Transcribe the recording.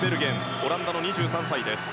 オランダの２３歳。